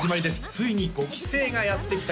ついに５期生がやって来た